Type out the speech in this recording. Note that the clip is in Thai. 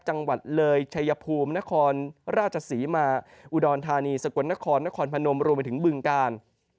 จังหวัดเลยชัยภูมินครราชศรีมาอุดรธานีสกลนครนครพนมรวมไปถึงบึงกาล